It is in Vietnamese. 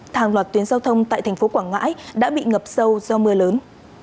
hàng loạt tuyến giao thông tại thành phố quảng ngãi đã bị ngập sâu do mưa lớn